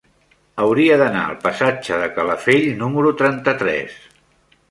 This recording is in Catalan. Hauria d'anar al passatge de Calafell número trenta-tres.